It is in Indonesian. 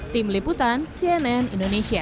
tim liputan cnn indonesia